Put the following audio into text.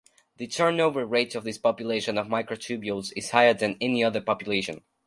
The turn-over rate of this population of microtubules is higher than any other population.